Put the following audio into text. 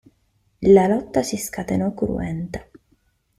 La lotta si scatenò cruenta.